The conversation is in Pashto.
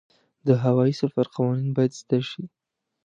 د هوايي سفر قوانین باید زده شي.